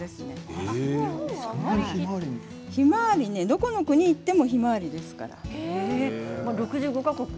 どこの国に行ってもひまわりですから。